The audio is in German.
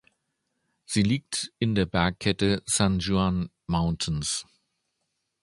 Sie liegt in der Bergkette San Juan Mountains.